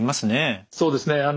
そうですね